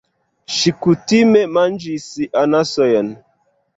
Ŝi kutime manĝis anasojn.